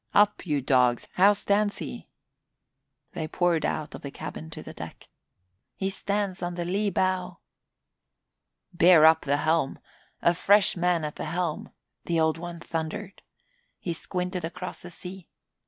"Up, you dogs! How stands he?" They poured out of the cabin to the deck. "He stands on the lee bow!" "Bear up the helm! A fresh man at the helm!" the Old One thundered. He squinted across the sea.